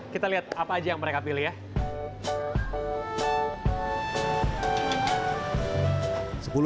kita lihat apa aja yang mereka pilih ya